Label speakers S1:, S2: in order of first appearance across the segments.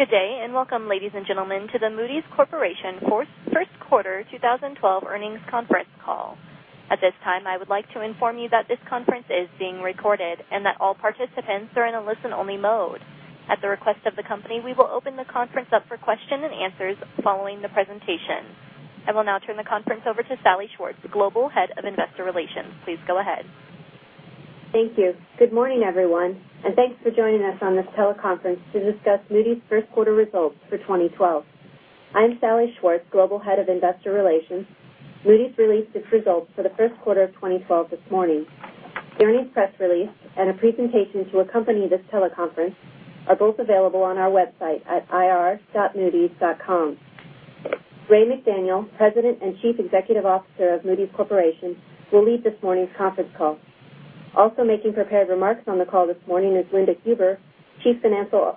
S1: Good day and welcome, ladies and gentlemen, to the Moody's Corporation First Quarter 2012 Earnings Conference Call. At this time, I would like to inform you that this conference is being recorded and that all participants are in a listen-only mode. At the request of the company, we will open the conference up for questions and answers following the presentation. I will now turn the conference over to Salli Schwartz, Global Head of Investor Relations. Please go ahead.
S2: Thank you. Good morning, everyone, and thanks for joining us on this teleconference to discuss Moody's first quarter results for 2012. I am Salli Schwartz, Global Head of Investor Relations. Moody's released its results for the first quarter of 2012 this morning. The earnings press release and a presentation to accompany this teleconference are both available on our website at ir.moodys.com. Ray McDaniel, President and Chief Executive Officer of Moody's Corporation, will lead this morning's conference call. Also making prepared remarks on the call this morning is Linda Huber, Chief Financial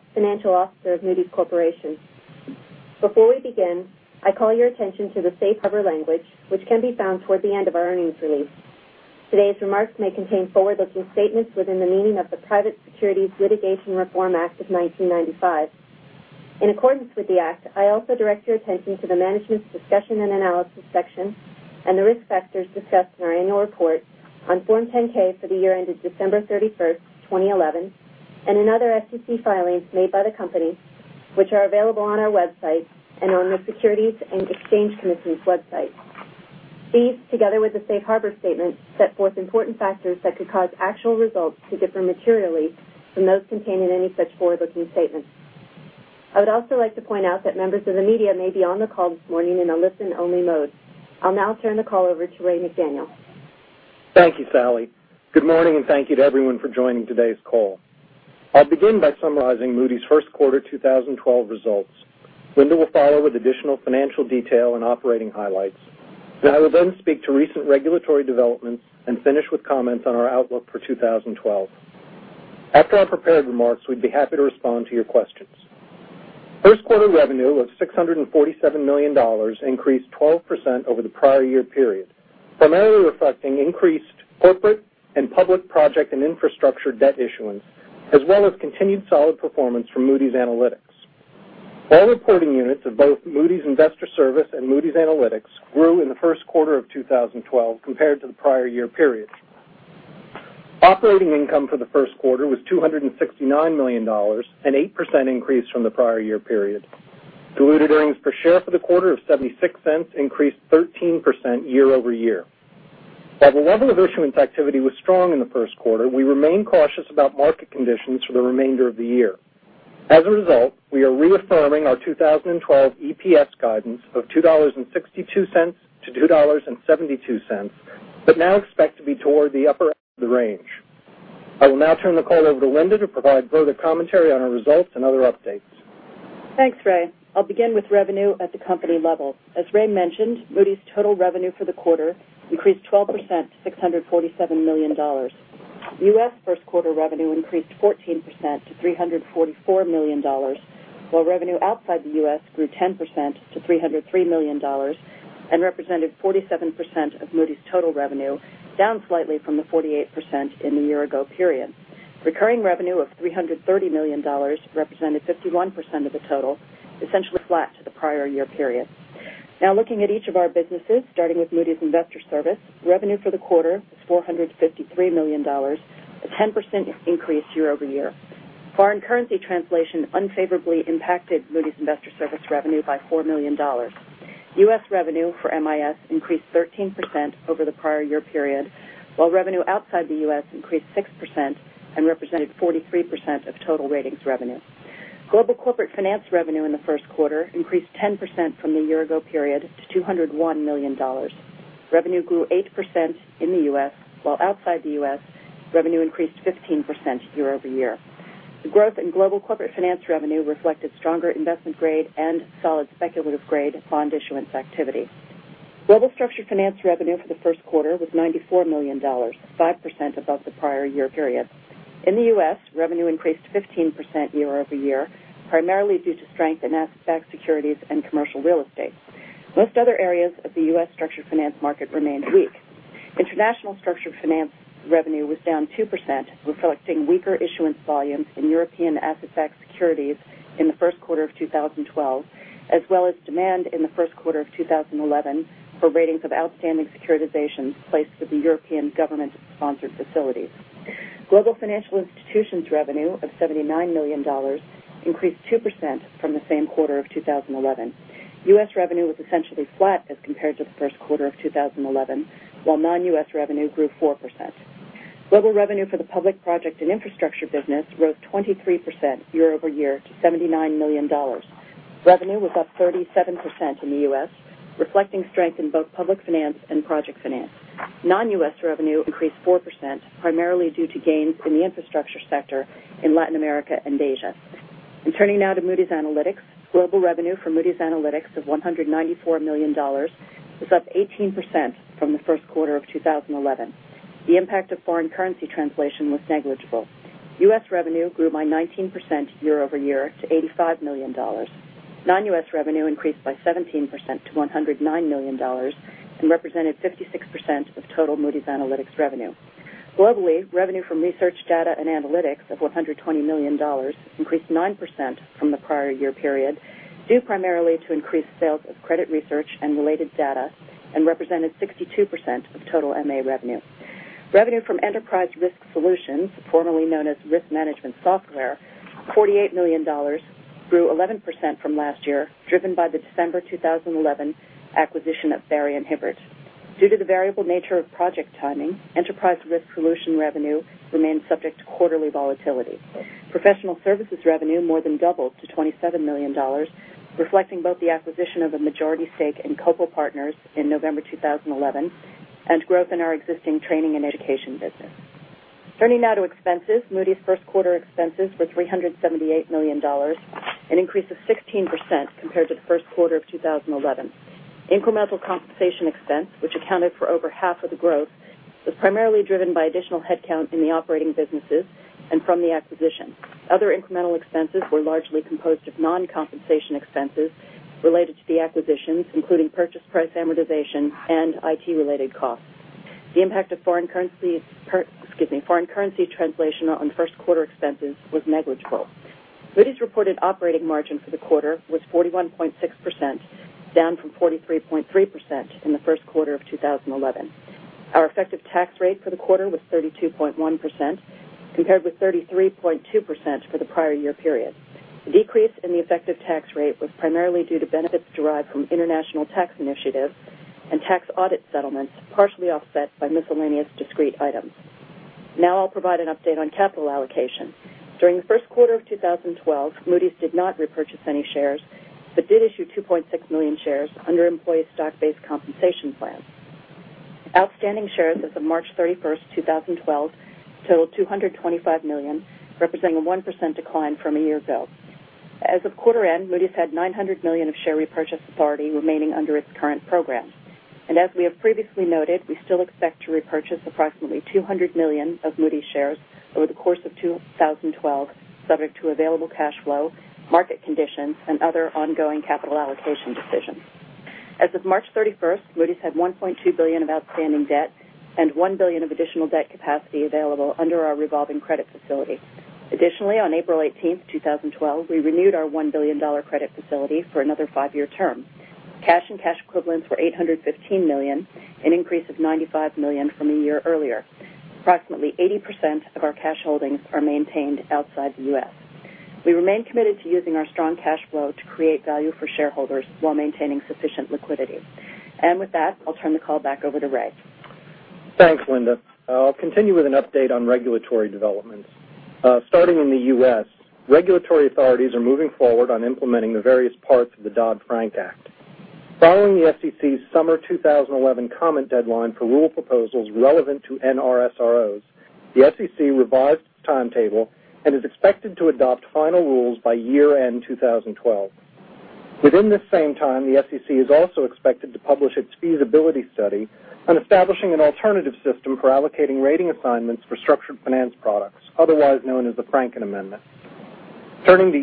S2: Officer of Moody's Corporation. Before we begin, I call your attention to the safe harbor language, which can be found toward the end of our earnings release. Today's remarks may contain forward-looking statements within the meaning of the Private Securities Litigation Reform Act of 1995. In accordance with the act, I also direct your attention to the management's discussion and analysis section and the risk factors discussed in our annual report on Form 10-K for the year ended December 31st, 2011, and in other SEC filings made by the company, which are available on our website and on the Securities and Exchange Commission's website. These, together with the safe harbor statement, set forth important factors that could cause actual results to differ materially from those contained in any such forward-looking statement. I would also like to point out that members of the media may be on the call this morning in a listen-only mode. I'll now turn the call over to Ray McDaniel.
S3: Thank you, Salli. Good morning and thank you to everyone for joining today's call. I'll begin by summarizing Moody's first quarter 2012 results. Linda will follow with additional financial detail and operating highlights. I will then speak to recent regulatory developments and finish with comments on our outlook for 2012. After our prepared remarks, we'd be happy to respond to your questions. First quarter revenue of $647 million increased 12% over the prior year period, primarily reflecting increased corporate and public, project and infrastructure debt issuance, as well as continued solid performance from Moody's Analytics. All reporting units of both Moody's Investors Service and Moody's Analytics grew in the first quarter of 2012 compared to the prior year period. Operating income for the first quarter was $269 million, an 8% increase from the prior year period. Diluted earnings per share for the quarter of $0.76 increased 13% year-over-year. While the level of issuance activity was strong in the first quarter, we remain cautious about market conditions for the remainder of the year. As a result, we are reaffirming our 2012 EPS guidance of $2.62- $2.72, but now expect to be toward the upper end of the range. I will now turn the call over to Linda to provide further commentary on our results and other updates.
S4: Thanks, Ray. I'll begin with revenue at the company level. As Ray mentioned, Moody's total revenue for the quarter increased 12% to $647 million. The U.S. first quarter revenue increased 14% to $344 million, while revenue outside the U.S. grew 10% to $303 million and represented 47% of Moody's total revenue, down slightly from the 48% in the year-ago period. Recurring revenue of $330 million represented 51% of the total, essentially flat to the prior year period. Now looking at each of our businesses, starting with Moody's Investors Service, revenue for the quarter was $453 million, a 10% increase year-over-year. Foreign currency translation unfavorably impacted Moody's Investors Service revenue by $4 million. U.S. revenue for MIS increased 13% over the prior year period, while revenue outside the U.S. increased 6% and represented 43% of total ratings revenue. Global corporate finance revenue in the first quarter increased 10% from the year-ago period to $201 million. Revenue grew 8% in the U.S., while outside the U.S. revenue increased 15% year-over-year. The growth in Global corporate finance revenue reflected stronger investment-grade and solid speculative-grade bond issuance activity. Global structured finance revenue for the first quarter was $94 million, 5% above the prior year period. In the U.S., revenue increased 15% year-over-year, primarily due to strength in asset-backed securities and commercial real estate. Most other areas of the U.S. structured finance market remained weak. International structured finance revenue was down 2%, reflecting weaker issuance volumes in European asset-backed securities in the first quarter of 2012, as well as demand in the first quarter of 2011 for ratings of outstanding securitizations placed for the European government-sponsored facilities. Global Financial Institutions' revenue of $79 million increased 2% from the same quarter of 2011. U.S. revenue was essentially flat as compared to the first quarter of 2011, while non-U.S. revenue grew 4%. Global revenue for the public, project and infrastructure business rose 23% year-over-year to $79 million. Revenue was up 37% in the U.S., reflecting strength in both public finance and project finance. Non-U.S. revenue increased 4%, primarily due to gains in the infrastructure sector in Latin America and Asia. Turning now to Moody's Analytics, global revenue for Moody's Analytics of $194 million was up 18% from the first quarter of 2011. The impact of foreign currency translation was negligible. U.S. revenue grew by 19% year-over-year to $85 million. Non-U.S. revenue increased by 17% to $109 million and represented 56% of total Moody's Analytics revenue. Globally, revenue from research, data, and analytics of $120 million increased 9% from the prior year period, due primarily to increased sales of credit research and related data, and represented 62% of total Moody's Analytics revenue. Revenue from enterprise risk solutions, formerly known as risk management software, $48 million, grew 11% from last year, driven by the December 2011 acquisition of Barrie & Hibbert. Due to the variable nature of project timing, enterprise risk solutions revenue remained subject to quarterly volatility. Professional services revenue more than doubled to $27 million, reflecting both the acquisition of a majority stake in Copal Partners in November 2011 and growth in our existing training and education business. Turning now to expenses, Moody's first quarter expenses were $378 million, an increase of 16% compared to the first quarter of 2011. Incremental compensation expense, which accounted for over half of the growth, was primarily driven by additional headcount in the operating businesses and from the acquisition. Other incremental expenses were largely composed of non-compensation expenses related to the acquisitions, including purchase price amortization and IT-related costs. The impact of foreign currency translation on first quarter expenses was negligible. Moody's reported operating margin for the quarter was 41.6%, down from 43.3% in the first quarter of 2011. Our effective tax rate for the quarter was 32.1%, compared with 33.2% for the prior year period. The decrease in the effective tax rate was primarily due to benefits derived from international tax initiative and tax audit settlements, partially offset by miscellaneous discrete items. Now I'll provide an update on capital allocation. During the first quarter of 2012, Moody's did not repurchase any shares, but did issue 2.6 million shares under employee stock-based compensation plans. Outstanding shares as of March 31st, 2012, total 225 million, representing a 1% decline from a year ago. As of quarter-end, Moody's had $900 million of share repurchase authority remaining under its current programs. As we have previously noted, we still expect to repurchase approximately $200 million of Moody's shares over the course of 2012, subject to available cash flow, market conditions, and other ongoing capital allocation decisions. As of March 31st, Moody's had $1.2 billion of outstanding debt and $1 billion of additional debt capacity available under our revolving credit facility. Additionally, on April 18th, 2012, we renewed our $1 billion credit facility for another five-year term. Cash and cash equivalents were $815 million, an increase of $95 million from a year earlier. Approximately 80% of our cash holdings are maintained outside the U.S. We remain committed to using our strong cash flow to create value for shareholders while maintaining sufficient liquidity. With that, I'll turn the call back over to Ray.
S3: Thanks, Linda. I'll continue with an update on regulatory developments. Starting in the U.S., regulatory authorities are moving forward on implementing the various parts of the Dodd-Frank Act. Following the SEC's summer 2011 comment deadline for rule proposals relevant to NRSROs, the SEC revised its timetable and is expected to adopt final rules by year-end 2012. Within this same time, the SEC is also expected to publish its feasibility study on establishing an alternative system for allocating rating assignments for structured finance products, otherwise known as the Franken Amendment. Turning to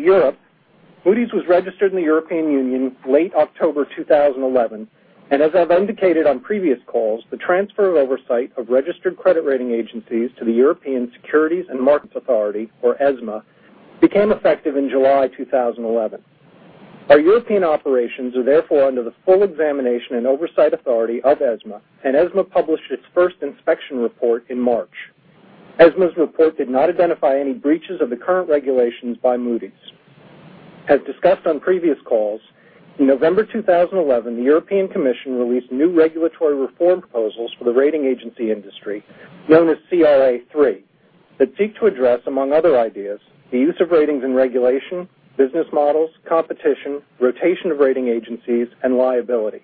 S3: Europe, Moody's was registered in the European Union late October 2011. As I've indicated on previous calls, the transfer of oversight of registered credit rating agencies to the European Securities and Markets Authority, or ESMA, became effective in July 2011. Our European operations are therefore under the full examination and oversight authority of ESMA, and ESMA published its first inspection report in March. ESMA's report did not identify any breaches of the current regulations by Moody's. As discussed on previous calls, in November 2011, the European Commission released new regulatory reform proposals for the rating agency industry, known as CRA-3, that seek to address, among other ideas, the use of ratings in regulation, business models, competition, rotation of rating agencies, and liability.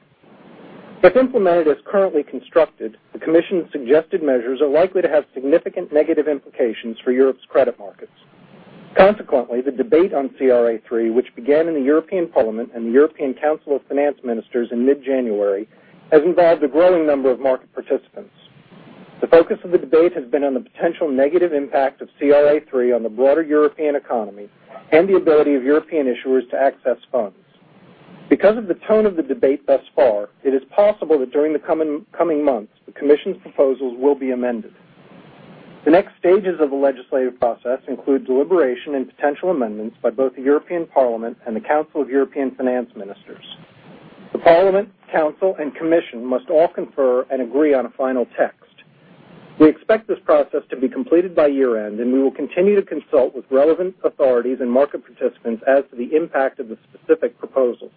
S3: If implemented as currently constructed, the Commission's suggested measures are likely to have significant negative implications for Europe's credit markets. Consequently, the debate on CRA-3, which began in the European Parliament and the European Council of Finance Ministers in mid-January, has involved a growing number of market participants. The focus of the debate has been on the potential negative impact of CRA-3 on the broader European economy and the ability of European issuers to access funds. Because of the tone of the debate thus far, it is possible that during the coming months, the Commission's proposals will be amended. The next stages of the legislative process include deliberation and potential amendments by both the European Parliament and the Council of European Finance Ministers. The Parliament, Council, and Commission must all confer and agree on a final text. We expect this process to be completed by year-end, and we will continue to consult with relevant authorities and market participants as to the impact of the specific proposals.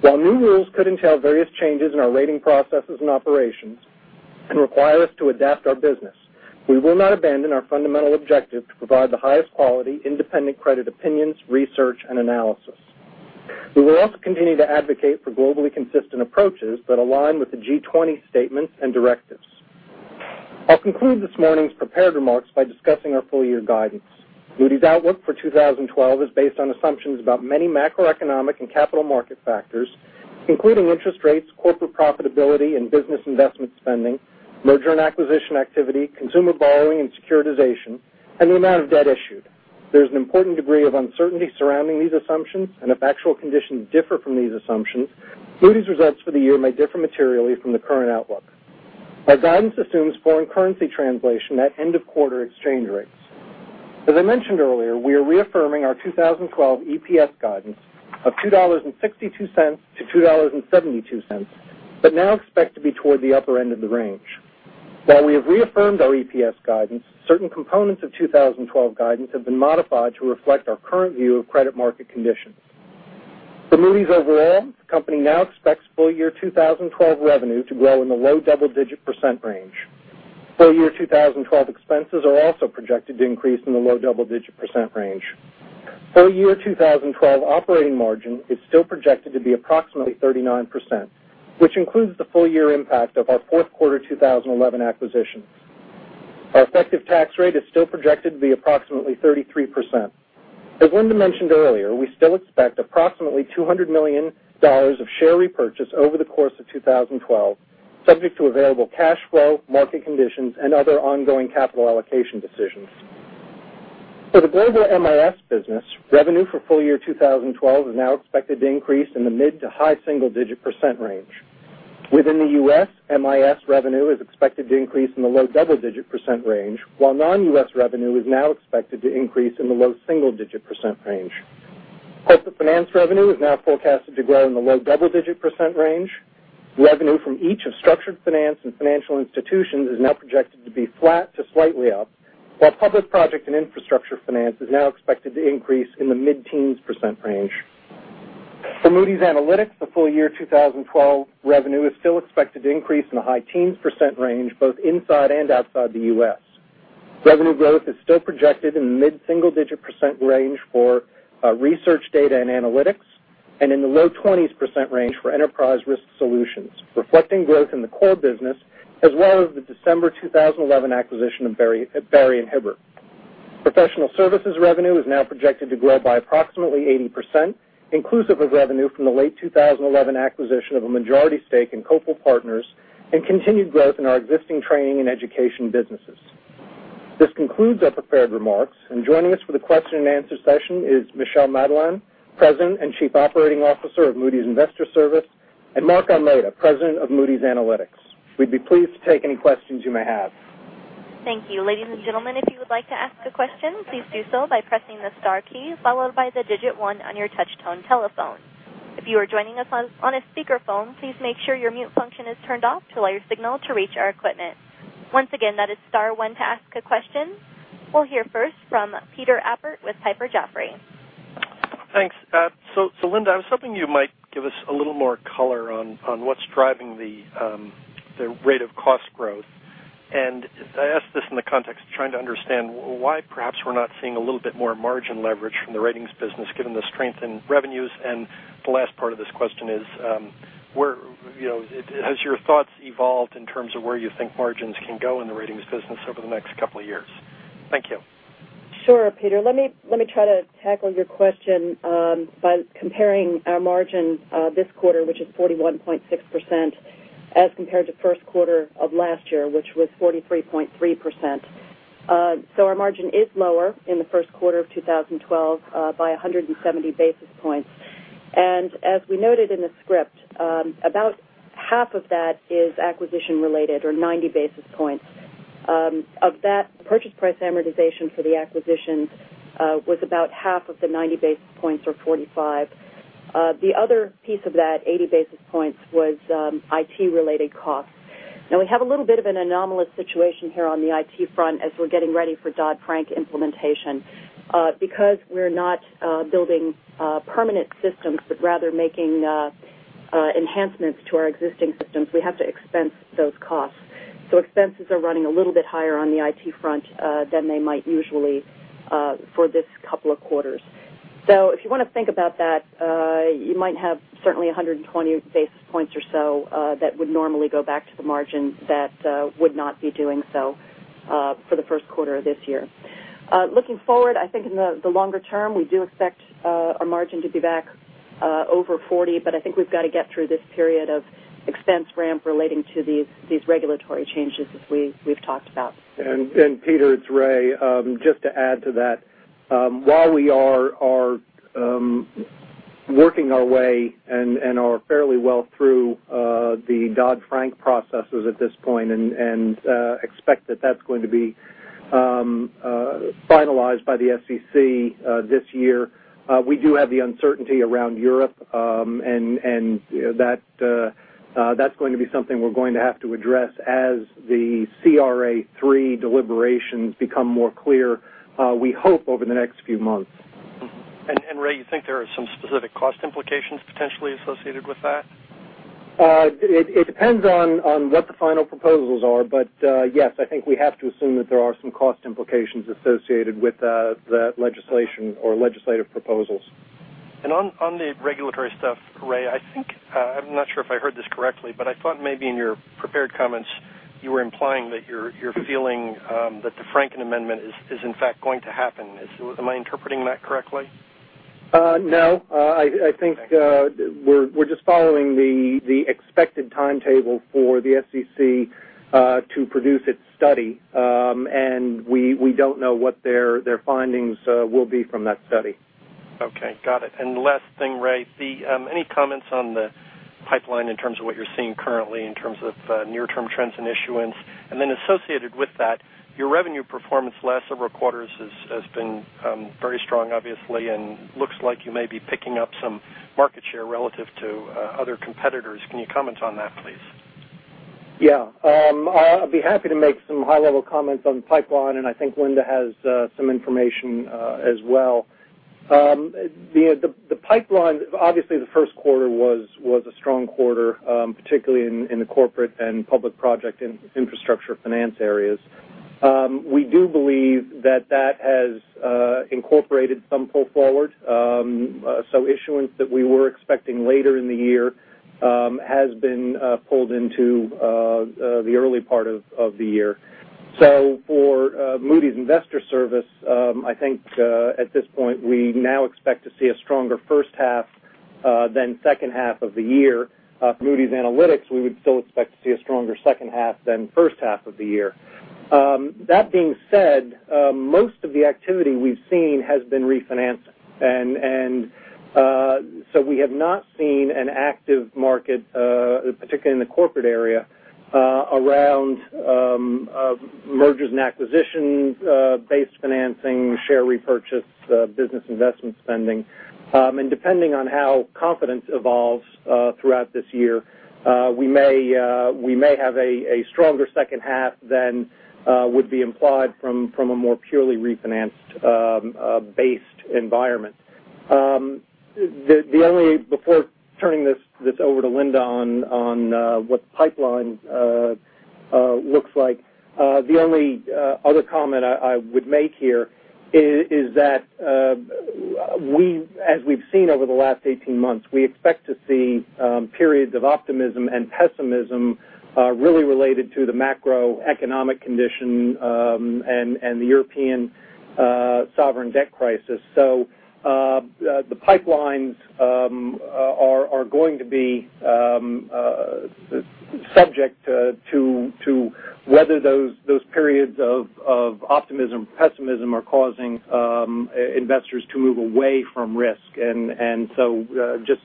S3: While new rules could entail various changes in our rating processes and operations and require us to adapt our business, we will not abandon our fundamental objective to provide the highest quality independent credit opinions, research, and analysis. We will also continue to advocate for globally consistent approaches that align with the G-20 statements and directives. I'll conclude this morning's prepared remarks by discussing our full-year guidance. Moody's outlook for 2012 is based on assumptions about many macroeconomic and capital market factors, including interest rates, corporate profitability and business investment spending, merger and acquisition activity, consumer borrowing and securitization, and the amount of debt issued. There is an important degree of uncertainty surrounding these assumptions, and if actual conditions differ from these assumptions, Moody's results for the year may differ materially from the current outlook. Our guidance assumes foreign currency translation at end-of-quarter exchange rates. As I mentioned earlier, we are reaffirming our 2012 EPS guidance of $2.62-$2.72, but now expect to be toward the upper end of the range. While we have reaffirmed our EPS guidance, certain components of 2012 guidance have been modified to reflect our current view of credit market conditions. For Moody's overall, the company now expects full-year 2012 revenue to grow in the low double-digit percent range. Full-year 2012 expenses are also projected to increase in the low-double-digit percent range. Full-year 2012 operating margin is still projected to be approximately 39%, which includes the full-year impact of our fourth quarter 2011 acquisitions. Our effective tax rate is still projected to be approximately 33%. As Linda mentioned earlier, we still expect approximately $200 million of share repurchase over the course of 2012, subject to available cash flow, market conditions, and other ongoing capital allocation decisions. For the global MIS business, revenue for full-year 2012 is now expected to increase in the mid- to high-single-digit percent range. Within the U.S., MIS revenue is expected to increase in the low double-digit percent range, while non-U.S. revenue is now expected to increase in the low-single-digit percent range. Corporate finance revenue is now forecasted to grow in the low-double-digit percent range. Revenue from each of structured finance and financial institutions is now projected to be flat to slightly up, while public, project and infrastructure finance is now expected to increase in the mid-teens percent range. For Moody's Analytics, the full-year 2012 revenue is still expected to increase in a high-teens percent range, both inside and outside the U.S. Revenue growth is still projected in the mid-single-digit percent range for research data and analytics, and in the low-20s percent range for enterprise risk solutions, reflecting growth in the core business as well as the December 2011 acquisition of Barrie & Hibbert. Professional services revenue is now projected to grow by approximately 80%, inclusive of revenue from the late 2011 acquisition of a majority stake in Copal Partners and continued growth in our existing training and education businesses. This concludes our prepared remarks. Joining us for the question and answer session is Michel Madelain, President and Chief Operating Officer of Moody's Investors Service, and Mark Almeida, President of Moody's Analytics. We'd be pleased to take any questions you may have.
S1: Thank you. Ladies and gentlemen, if you would like to ask a question, please do so by pressing the star key followed by the digit one on your touch-tone telephone. If you are joining us on a speakerphone, please make sure your mute function is turned off to allow your signal to reach our equipment. Once again, that is star one to ask a question. We'll hear first from Peter Appert with Piper Jaffray.
S5: Thanks. Linda, I was hoping you might give us a little more color on what's driving the rate of cost growth. I ask this in the context of trying to understand why perhaps we're not seeing a little bit more margin leverage from the ratings business, given the strength in revenues. The last part of this question is, have your thoughts evolved in terms of where you think margins can go in the ratings business over the next couple of years? Thank you.
S4: Sure, Peter. Let me try to tack on your question by comparing our margin this quarter, which is 41.6%, as compared to the first quarter of last year, which was 43.3%. Our margin is lower in the first quarter of 2012 by 170 basis points. As we noted in the script, about half of that is acquisition-related or 90 basis points. Of that, the purchase price amortization for the acquisitions was about half of the 90 basis points or 45 basis points. The other piece of that, 80 basis points, was IT-related costs. We have a little bit of an anomalous situation here on the IT front as we're getting ready for Dodd-Frank implementation. Because we're not building permanent systems, but rather making enhancements to our existing systems, we have to expense those costs. Expenses are running a little bit higher on the IT front than they might usually for this couple of quarters. If you want to think about that, you might have certainly 120 basis points or so that would normally go back to the margin that would not be doing so for the first quarter of this year. Looking forward, I think in the longer term, we do expect our margin to be back over 40%. I think we've got to get through this period of expense ramp relating to these regulatory changes as we've talked about.
S3: Peter, it's Ray. Just to add to that, while we are working our way and are fairly well through the Dodd-Frank processes at this point and expect that that's going to be finalized by the SEC this year, we do have the uncertainty around Europe. That is going to be something we are going to have to address as the CRA-3 deliberations become more clear, we hope, over the next few months.
S5: Ray, you think there are some specific cost implications potentially associated with that?
S3: It depends on what the final proposals are. Yes, I think we have to assume that there are some cost implications associated with that legislation or legislative proposals.
S5: On the regulatory stuff, Ray, I think I'm not sure if I heard this correctly, but I thought maybe in your prepared comments, you were implying that you're feeling that the Franken Amendment is, in fact, going to happen. Am I interpreting that correctly?
S3: No. I think we're just following the expected timetable for the SEC to produce its study, and we don't know what their findings will be from that study.
S5: Okay. Got it. The last thing, Ray, any comments on the pipeline in terms of what you're seeing currently in terms of near-term trends in issuance? Associated with that, your revenue performance last several quarters has been very strong, obviously, and looks like you may be picking up some market share relative to other competitors. Can you comment on that, please?
S3: Yeah. I'll be happy to make some high-level comments on the pipeline. I think Linda has some information as well. The pipeline, obviously, the first quarter was a strong quarter, particularly in the corporate and public project infrastructure finance areas. We do believe that that has incorporated some pull forward. Issuance that we were expecting later in the year has been pulled into the early part of the year. For Moody's Investors Service, I think at this point, we now expect to see a stronger first half than second half of the year. For Moody's Analytics, we would still expect to see a stronger second half than first half of the year. That being said, most of the activity we've seen has been refinancing. We have not seen an active market, particularly in the corporate area, around mergers and acquisition-based financing, share repurchase, business investment spending. Depending on how confidence evolves throughout this year, we may have a stronger second half than would be implied from a more purely refinanced-based environment. Before turning this over to Linda on what the pipeline looks like, the only other comment I would make here is that, as we've seen over the last 18 months, we expect to see periods of optimism and pessimism really related to the macroeconomic condition and the European sovereign debt crisis. The pipelines are going to be subject to whether those periods of optimism and pessimism are causing investors to move away from risk. Just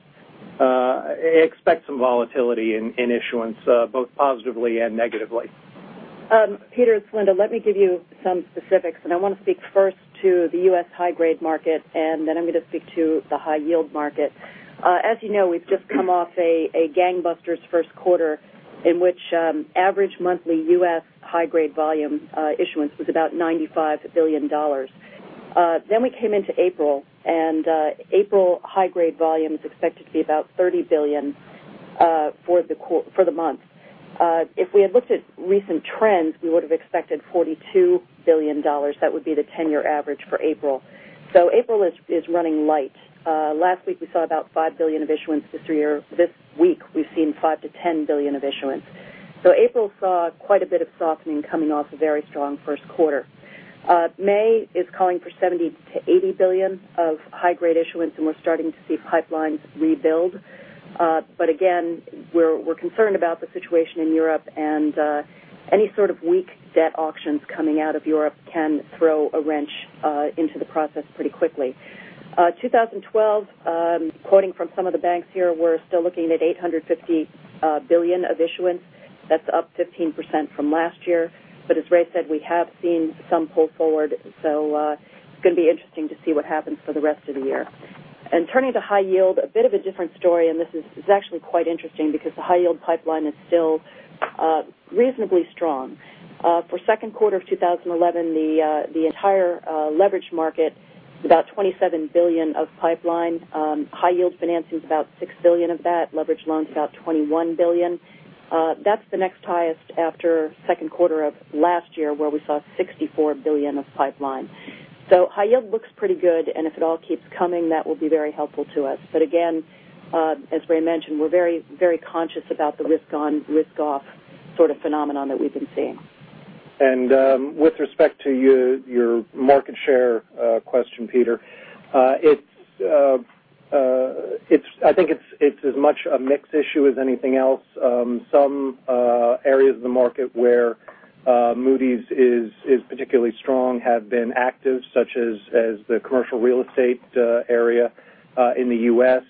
S3: expect some volatility in issuance, both positively and negatively.
S4: Peter, it's Linda. Let me give you some specifics. I want to speak first to the U.S. high-grade market, and then I'm going to speak to the high-yield market. As you know, we've just come off a gangbusters first quarter in which average monthly U.S. high-grade volume issuance was about $95 billion. We came into April, and April high-grade volume is expected to be about $30 billion for the month. If we had looked at recent trends, we would have expected $42 billion. That would be the 10-year average for April. April is running light. Last week, we saw about $5 billion of issuance. This week, we've seen $5 billion-$10 billion of issuance. April saw quite a bit of softening coming off a very strong first quarter. May is calling for $70-$80 billion of high-grade issuance, and we're starting to see pipelines rebuild. We are concerned about the situation in Europe, and any sort of weak debt auctions coming out of Europe can throw a wrench into the process pretty quickly. In 2012, quoting from some of the banks here, we're still looking at $850 billion of issuance. That's up 15% from last year. As Ray said, we have seen some pull forward. It's going to be interesting to see what happens for the rest of the year. Turning to high-yield, it's a bit of a different story, and this is actually quite interesting because the high-yield pipeline is still reasonably strong. For the second quarter of 2011, the entire leveraged market is about $27 billion of pipeline. High-yield financing is about $6 billion of that. Leveraged loans about $21 billion. That's the next highest after the second quarter of last year, where we saw $64 billion of pipeline. High-yield looks pretty good. If it all keeps coming, that will be very helpful to us. As Ray mentioned, we're very, very conscious about the risk on, risk off sort of phenomenon that we've been seeing.
S3: With respect to your market share question, Peter, I think it's as much a mix issue as anything else. Some areas of the market where Moody's is particularly strong have been active, such as the commercial real estate area in the U.S.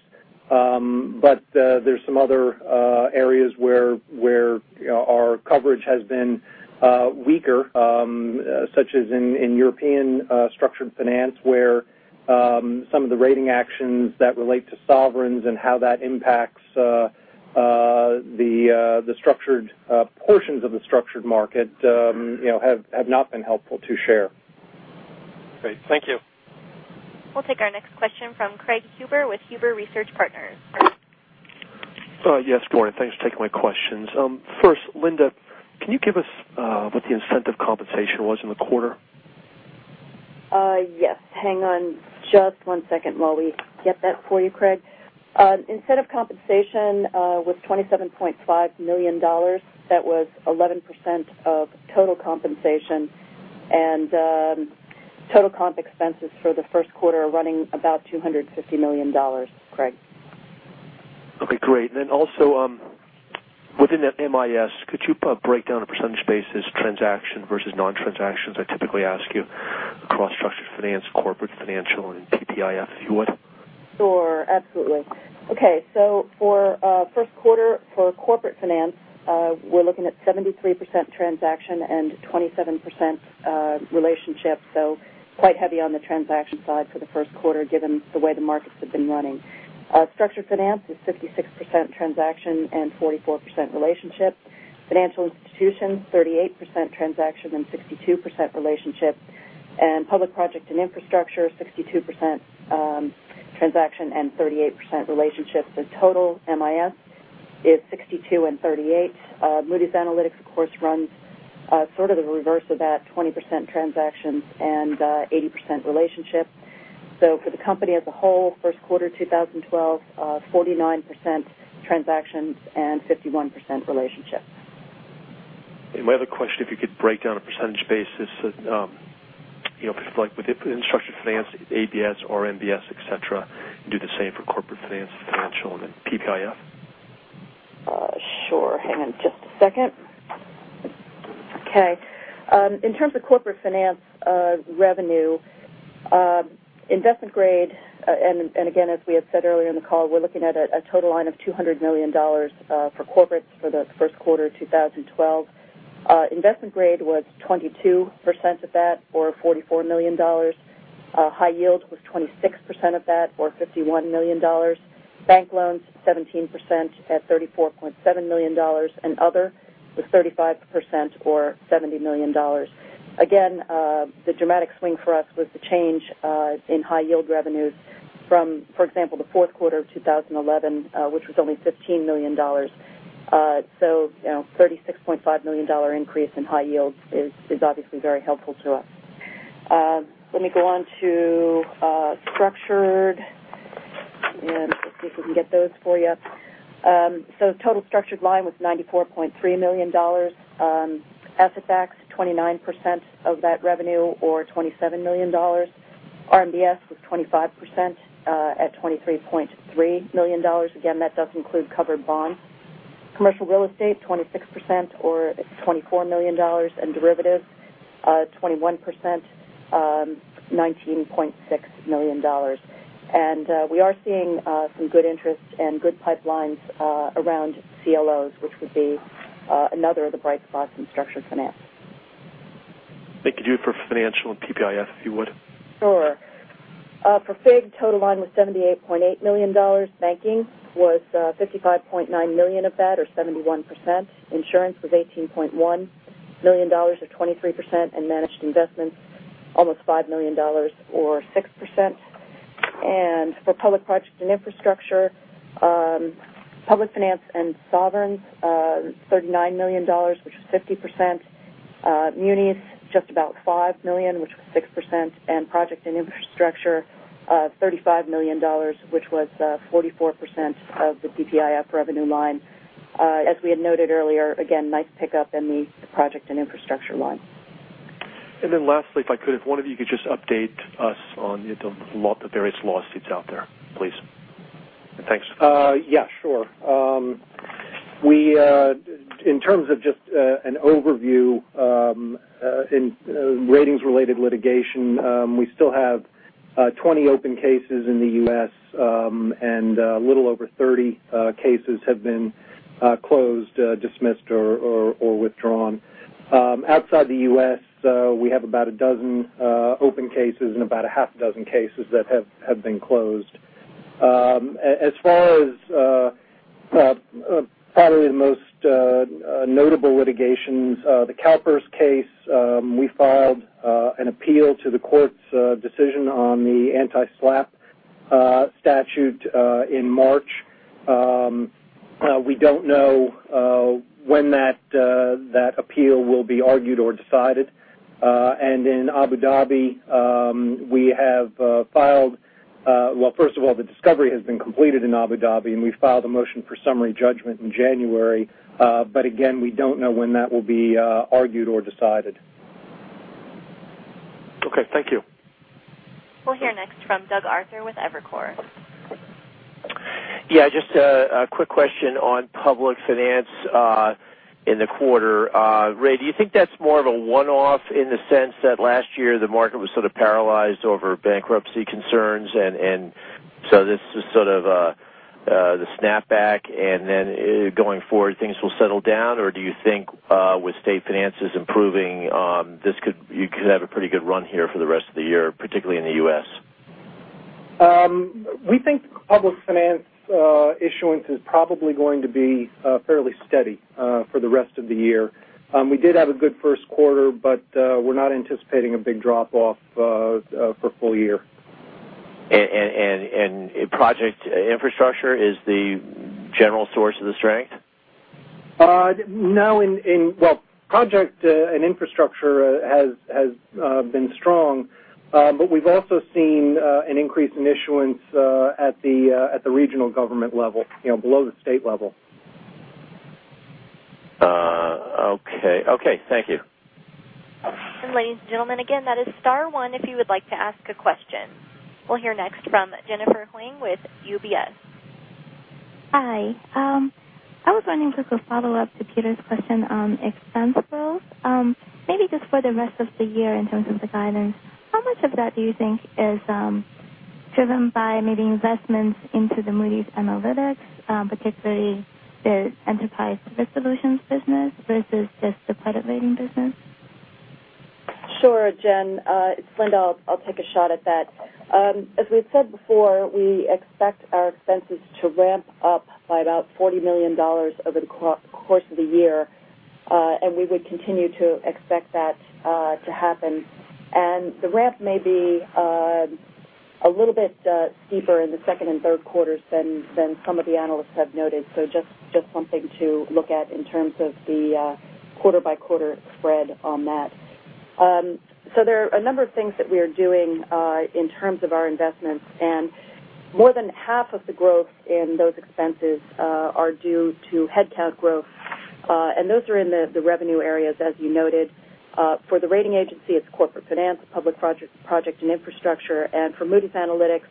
S3: There's some other areas where our coverage has been weaker, such as in European structured finance, where some of the rating actions that relate to sovereigns and how that impacts the structured portions of the structured market have not been helpful to share.
S5: Great. Thank you.
S1: We'll take our next question from Craig Huber with Huber Research Partners.
S6: Yes, good morning. Thanks for taking my questions. First, Linda, can you give us what the incentive compensation was in the quarter?
S4: Yes. Hang on just one second while we get that for you, Craig. Incentive compensation was $27.5 million. That was 11% of total compensation. Total comp expenses for the first quarter are running about $250 million, Craig.
S6: Okay. Great. Within the MIS, could you break down a percentage basis transaction versus non-transactions? I typically ask you across structured finance, corporate finance, and PPIF, if you would.
S4: Sure. Absolutely. Okay. For the first quarter for corporate finance, we're looking at 73% transaction and 27% relationship. Quite heavy on the transaction side for the first quarter, given the way the markets have been running. Structured finance is 56% transaction and 44% relationship. Financial institutions, 38% transaction and 62% relationship. Public, project and infrastructure, 62% transaction and 38% relationship. Total MIS is 62% and 38%. Moody's Analytics, of course, runs sort of the reverse of that, 20% transactions and 80% relationship. For the company as a whole, first quarter of 2012, 49% transactions and 51% relationship.
S6: If you could break down a percentage basis, you know, if like within structured finance, ABS or MBS, etc., do the same for corporate finance, financial, and then TPIF?
S4: Sure. Hang on just a second. Okay. In terms of corporate finance revenue, investment grade, and again, as we had said earlier in the call, we're looking at a total line of $200 million for corporates for the first quarter of 2012. Investment grade was 22% of that or $44 million. High yield was 26% of that or $51 million. Bank loans, 17% at $34.7 million, and other was 35% or $70 million. Again, the dramatic swing for us was the change in high yield revenues from, for example, the fourth quarter of 2011, which was only $15 million. A $36.5 million increase in high yield is obviously very helpful to us. Let me go on to structured and let's see if we can get those for you. The total structured line was $94.3 million. Asset-backed, 29% of that revenue or $27 million. RMBS was 25% at $23.3 million. That does include covered bonds. Commercial real estate, 26% or $24 million. Derivatives, 21%, $19.6 million. We are seeing some good interest and good pipelines around CLOs, which would be another of the bright spots in structured finance.
S6: Thank you. Do it for financial and TPIF, if you would.
S4: Sure. For FIG, total line was $78.8 million. Banking was $55.9 million of that or 71%. Insurance was $18.1 million or 23%. Managed investments, almost $5 million or 6%. For public, project and infrastructure, public finance and sovereigns, $39 million, which was 50%. Munis, just about $5 million, which was 6%. Project and infrastructure, $35 million, which was 44% of the TPIF revenue line. As we had noted earlier, again, nice pickup in the project and infrastructure line.
S6: Lastly, if I could, if one of you could just update us on the various lawsuits out there, please.
S3: Thanks. Yeah, sure. In terms of just an overview in ratings-related litigation, we still have 20 open cases in the U.S., and a little over 30 cases have been closed, dismissed, or withdrawn. Outside the U.S., we have about a dozen open cases and about half a dozen cases that have been closed. As far as probably the most notable litigations, the CalPERS case, we filed an appeal to the court's decision on the anti-SLAPP statute in March. We don't know when that appeal will be argued or decided. In Abu Dhabi, the discovery has been completed, and we filed a motion for summary judgment in January. Again, we don't know when that will be argued or decided.
S6: Okay, thank you.
S1: We'll hear next from Doug Arthur with Evercore.
S7: Yeah, just a quick question on public finance in the quarter. Ray, do you think that's more of a one-off in the sense that last year the market was sort of paralyzed over bankruptcy concerns, and so this was sort of the snapback, and then going forward, things will settle down? Or do you think with state finances improving, you could have a pretty good run here for the rest of the year, particularly in the U.S.?
S3: We think public finance issuance is probably going to be fairly steady for the rest of the year. We did have a good first quarter, but we're not anticipating a big drop-off for the full year.
S7: Is project infrastructure the general source of the strength?
S3: No, project and infrastructure has been strong, but we've also seen an increase in issuance at the regional government level, you know, below the state level.
S7: Okay. Thank you.
S1: Ladies and gentlemen, that is star one if you would like to ask a question. We'll hear next from Jennifer Huang with UBS.
S8: Hi. I was wondering if I could follow up to Peter's question on expense growth. Maybe just for the rest of the year in terms of the guidance, how much of that do you think is driven by maybe investments into Moody's Analytics, particularly the enterprise risk solutions business, versus just the credit rating business?
S4: Sure, Jen. It's Linda. I'll take a shot at that. As we had said before, we expect our expenses to ramp up by about $40 million over the course of the year, and we would continue to expect that to happen. The ramp may be a little bit steeper in the second and third quarters than some of the analysts have noted. Just one thing to look at in terms of the quarter-by-quarter spread on that. There are a number of things that we are doing in terms of our investments. More than half of the growth in those expenses are due to headcount growth, and those are in the revenue areas, as you noted. For the rating agency, it's corporate finance, public, project and infrastructure, and for Moody's Analytics,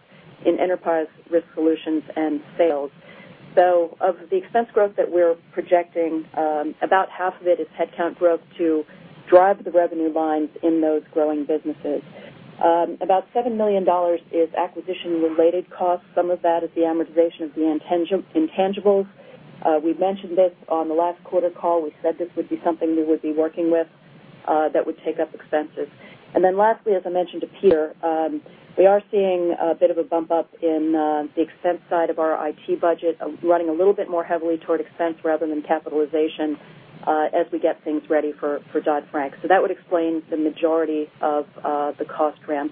S4: in enterprise risk solutions and sales. Of the expense growth that we're projecting, about half of it is headcount growth to drive the revenue lines in those growing businesses. About $7 million is acquisition-related costs. Some of that is the amortization of the intangibles. We mentioned this on the last quarter call. We said this would be something we would be working with that would take up expenses. Lastly, as I mentioned to Peter, we are seeing a bit of a bump up in the expense side of our IT budget, running a little bit more heavily toward expense rather than capitalization as we get things ready for Dodd-Frank. That would explain the majority of the cost ramp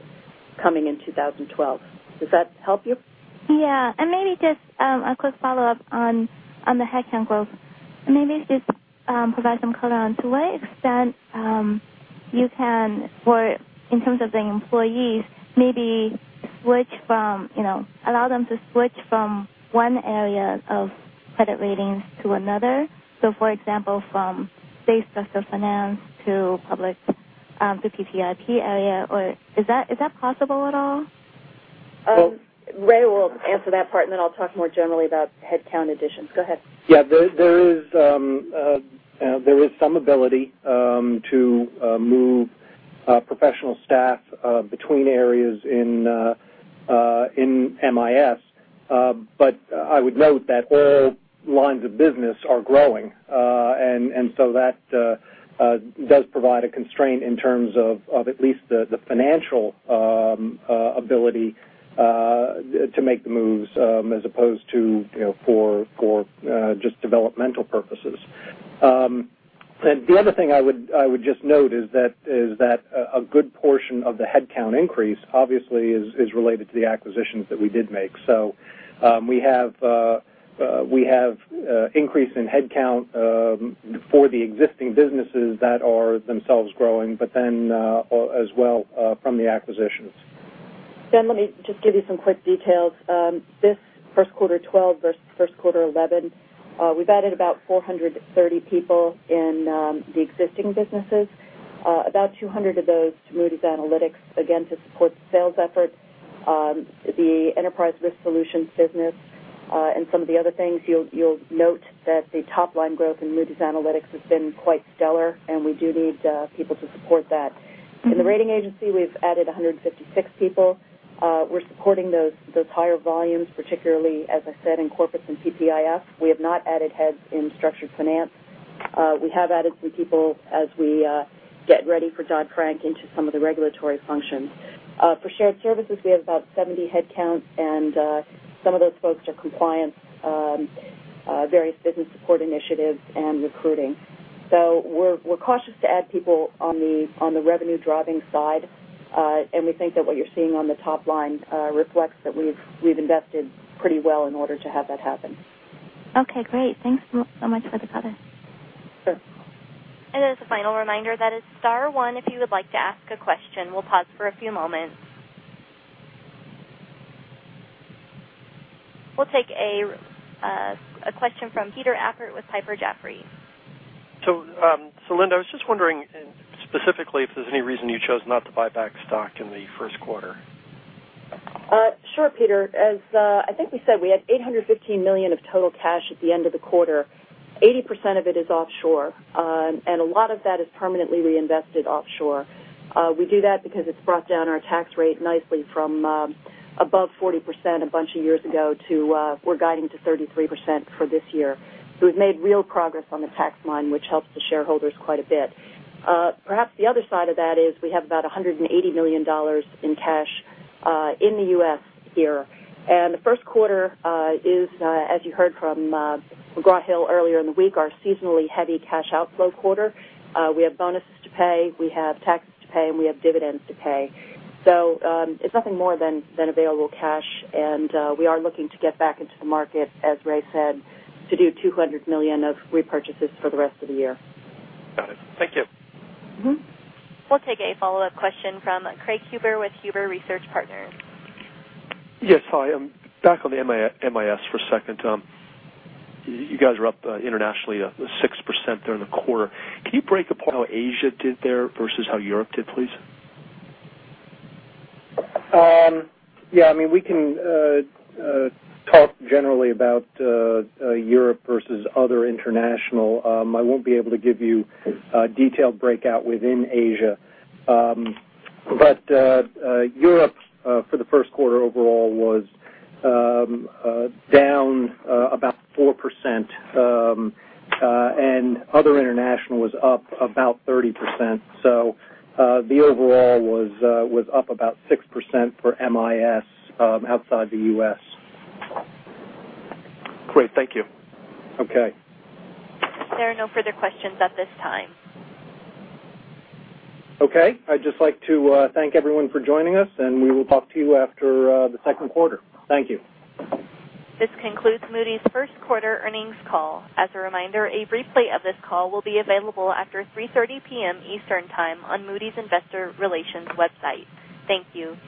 S4: coming in 2012. Does that help you?
S8: Yeah. Maybe just a quick follow-up on the headcount growth. Maybe just provide some color on to what extent you can, or in terms of the employees, maybe switch from, you know, allow them to switch from one area of credit ratings to another. For example, from, say, structured finance to public PPIF area. Is that possible at all?
S4: Ray will answer that part, and then I'll talk more generally about headcount additions. Go ahead.
S3: Yeah. There is some ability to move professional staff between areas in MIS. I would note that the lines of business are growing, which does provide a constraint in terms of at least the financial ability to make the moves as opposed to, you know, for just developmental purposes. The other thing I would just note is that a good portion of the headcount increase, obviously, is related to the acquisitions that we did make. We have an increase in headcount for the existing businesses that are themselves growing, but then as well from the acquisitions.
S4: Jen, let me just give you some quick details. This first quarter 2012 versus first quarter 2011, we've added about 430 people in the existing businesses, about 200 of those to Moody's Analytics. Again, to support the sales effort, the enterprise risk solutions business, and some of the other things, you'll note that the top-line growth in Moody's Analytics has been quite stellar, and we do need people to support that. In the rating agency, we've added 156 people. We're supporting those higher volumes, particularly, as I said, in corporates and TPIF. We have not added heads in structured finance. We have added some people as we get ready for Dodd-Frank into some of the regulatory functions. For shared services, we have about 70 headcount, and some of those folks are compliance, various business support initiatives, and recruiting. We are cautious to add people on the revenue-driving side. We think that what you're seeing on the top line reflects that we've invested pretty well in order to have that happen.
S8: Okay. Great, thanks so much for the cut-in.
S4: Sure.
S1: As a final reminder, that is star one if you would like to ask a question. We'll pause for a few moments. We'll take a question from Peter Appert with Piper Jaffray.
S5: Linda, I was just wondering specifically if there's any reason you chose not to buy back stock in the first quarter.
S4: Sure, Peter. As I think we said, we had $815 million of total cash at the end of the quarter. 80% of it is offshore, and a lot of that is permanently reinvested offshore. We do that because it's brought down our tax rate nicely from above 40% a bunch of years ago to we're guiding to 33% for this year. We've made real progress on the tax line, which helps the shareholders quite a bit. Perhaps the other side of that is we have about $180 million in cash in the U.S. here. The first quarter is, as you heard from McGraw Hill earlier in the week, our seasonally heavy cash outflow quarter. We have bonuses to pay, we have taxes to pay, and we have dividends to pay. It's nothing more than available cash, and we are looking to get back into the market, as Ray said, to do $200 million of repurchases for the rest of the year.
S5: Got it. Thank you.
S1: We'll take a follow-up question from Craig Huber with Huber Research.
S6: Yes. Hi. I'm back on the MIS for a second. You guys were up internationally 6% during the quarter. Can you break apart how Asia did there versus how Europe did, please?
S3: Yeah. I mean, we can talk generally about Europe versus other international. I won't be able to give you a detailed breakout within Asia. Europe for the first quarter overall was down about 4%. Other international was up about 30%. The overall was up about 6% for MIS outside the U.S.
S5: Great. Thank you.
S3: Okay.
S1: There are no further questions at this time.
S3: Okay. I'd just like to thank everyone for joining us, and we will talk to you after the second quarter. Thank you.
S1: This concludes Moody's first quarter earnings call. As a reminder, a replay of this call will be available after 3:30 P.M. Eastern Time on Moody's Investor Relations website. Thank you.